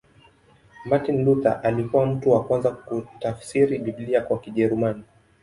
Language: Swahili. Martin Luther alikuwa mtu wa kwanza kutafsiri Biblia kwa Kijerumani.